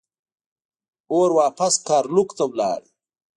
اور واپس ګارلوک ته لاړ.